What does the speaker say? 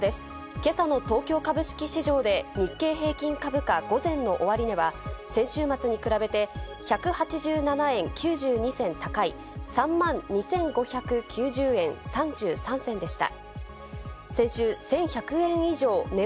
今朝の東京株式市場で日経平均株価、午前の終値は先週末に比べて１８７円９２銭高い、３万２５９０円３３銭でした。